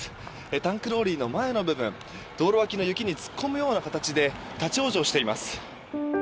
タンクローリーの前の部分道路脇の雪に突っ込む形で立ち往生しています。